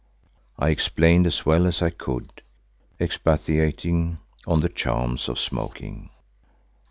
I explained as well as I could, expatiating on the charms of smoking.